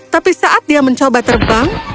tapi saat dia mencoba terbang